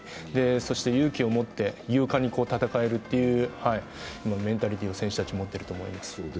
そして勇気を持って勇敢に戦えるというメンタリティーを選手たちは持っていると思います。